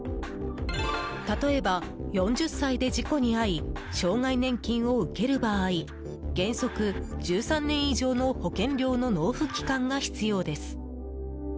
例えば４０歳で事故に遭い障害年金を受ける場合原則１３年以上の保険料の納付期間が必要です。